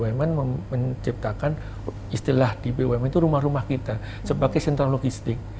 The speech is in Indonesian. bumn menciptakan istilah di bumn itu rumah rumah kita sebagai sentral logistik